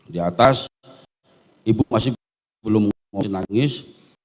di atas ibu masih belum nangis